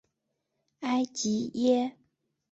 埃吉耶。